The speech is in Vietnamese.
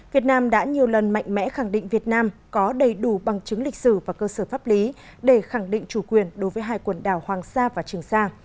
việt nam đã nhiều lần mạnh mẽ khẳng định việt nam có đầy đủ bằng chứng lịch sử và cơ sở pháp lý để khẳng định chủ quyền đối với hai quần đảo hoàng sa và trường sa